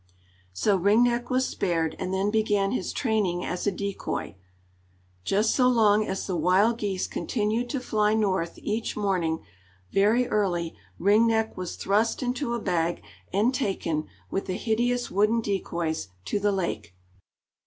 So Ring Neck was spared, and then began his training as a decoy. Just so long as the wild geese continued to fly north, each morning, very early, Ring Neck was thrust into a bag and taken, with the hideous wooden decoys, to the lake.